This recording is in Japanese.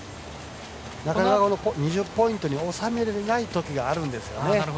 なかなか２０ポイントに収められないときがあるんです。